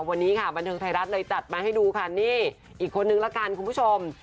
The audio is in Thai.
วันนี้ค่ะบันเทิงไทยรัฐเลยจัดมาให้ดูค่ะนี่อีกคนนึงละกันคุณผู้ชม